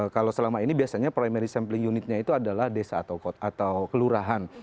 kalau selama ini biasanya primary sampling unitnya itu adalah desa atau kelurahan